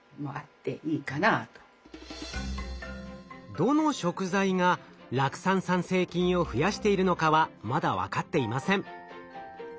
どの食材が酪酸産生菌を増やしているのかはまだ分かっていません。